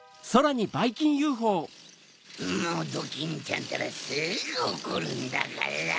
もうドキンちゃんたらすぐおこるんだから。